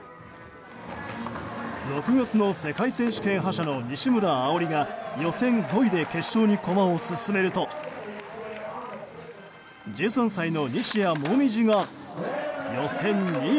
６月の世界選手権覇者の西村碧莉が予選５位で決勝に駒を進めると１３歳の西矢椛が予選２位。